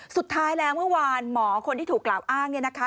สุดท้ายแล้วเมื่อวานหมอคนที่ถูกกล่าวอ้างเนี่ยนะคะ